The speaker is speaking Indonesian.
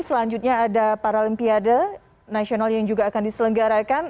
selanjutnya ada paralimpiade nasional yang juga akan diselenggarakan